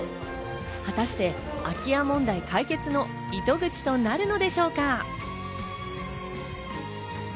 果たして空き家問題解決の糸口となるのでしょうか。